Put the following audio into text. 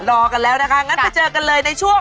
รอกันแล้วนะคะเห็นกันเรียกบากกันในช่วง